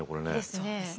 そうですね。